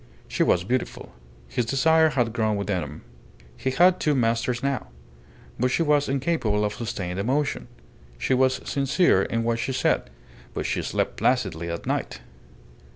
She was beautiful. His desire had grown within him. He had two masters now. But she was incapable of sustained emotion. She was sincere in what she said, but she slept placidly at night.